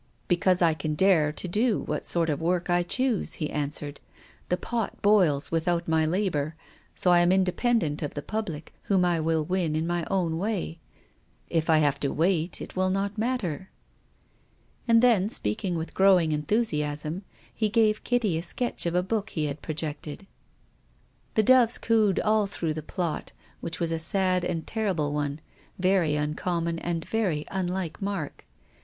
" Because I can dare to do what sort of work I choose," he answered. " The pot boils without my labour. So I am independent of the public, whom I will win in my own way. If I have to wait it will not matter." And then, speaking with growing enthusiasm, he gave Kitty a sketch of a book he had pro jected. The doves cooed all tliroiw^h the plot, which was a sad and terrible one, very uncommon and very unlike Mark.